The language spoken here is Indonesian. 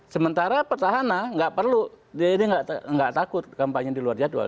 sementara petahana nggak perlu dia nggak takut kampanye di luar jadwal